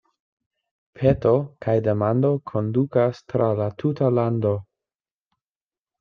Peto kaj demando kondukas tra la tuta lando.